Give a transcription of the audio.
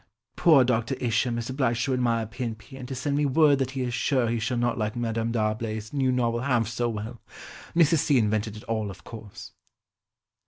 "Poor Dr. Isham is obliged to admire P. and P. and to send me word that he is sure he shall not like Madam D'Arblay's new novel half so well. Mrs. C. invented it all of course."